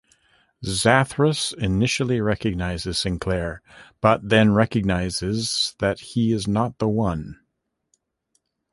Zathras initially recognizes Sinclair, but then realizes that he is not the One.